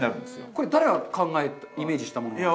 これは誰がイメージしたものなんですか。